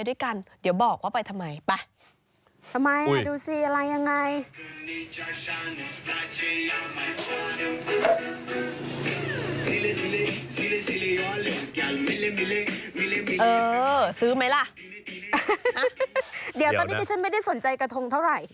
เดี๋ยวตอนนี้ดิฉันไม่ได้สนใจกระทงเท่าไหร่